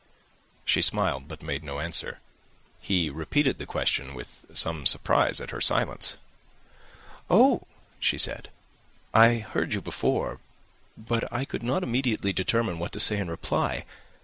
She smiled, but made no answer. He repeated the question, with some surprise at her silence. "Oh," said she, "I heard you before; but I could not immediately determine what to say in reply.